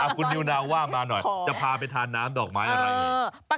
คุณนิวนาวว่ามาหน่อยจะพาไปทานน้ำดอกไม้อะไร